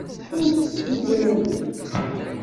Ur ttezzi ara ar deffir.